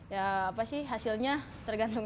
ya apa sih hasilnya tergantung